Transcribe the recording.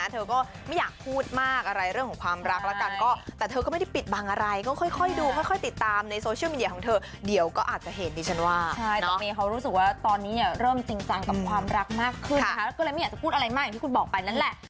เธอก็ไม่อยากพูดมากอะไรเรื่องของความรักละกัน